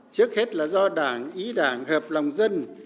trước hết là do đảng ý đảng hợp lòng dân